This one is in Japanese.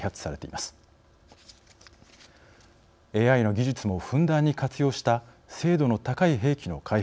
ＡＩの技術もふんだんに活用した精度の高い兵器の開発